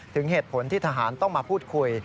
ถึงเหตุผลที่ทหารต้องมาพูดคุย